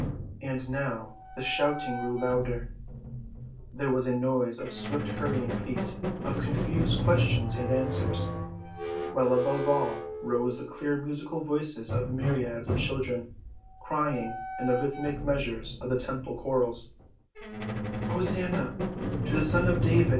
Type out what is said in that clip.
And now the shouting grew louder, there was a noise of swift‐hurrying feet, of confused questions and answers, while above all rose the clear musical voices of myriads of children crying in the rhythmic measures of the temple chorals: "Hosanna to the Son of David!